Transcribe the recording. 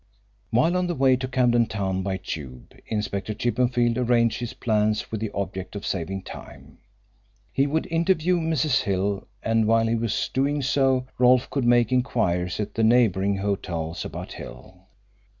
While on the way to Camden Town by Tube, Inspector Chippenfield arranged his plans with the object of saving time. He would interview Mrs. Hill and while he was doing so Rolfe could make inquiries at the neighbouring hotels about Hill.